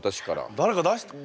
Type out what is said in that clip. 誰か出したか？